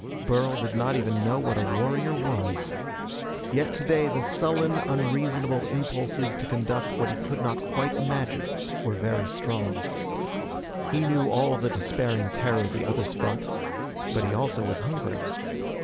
Burl did not even know what a warrior was. Yet today the sullen, unreasonable impulses to conduct what he could not quite imagine were very strong. He knew all the despairing terror the others felt. But he also was hungry.